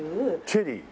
チェリー？